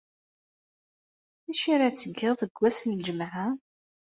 D acu ara tgeḍ deg wass n Ljemɛa?